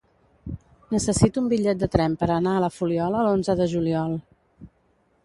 Necessito un bitllet de tren per anar a la Fuliola l'onze de juliol.